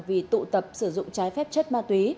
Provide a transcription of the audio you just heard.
vì tụ tập sử dụng trái phép chất ma túy